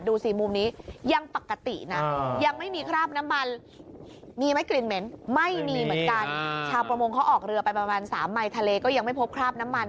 ดูสี่โมงนี้ยังปกตินะยังไม่มีคราบน้ำมัน